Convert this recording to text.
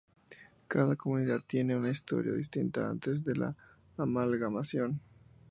Cada comunidad tiene una historia distinta antes de la amalgamación.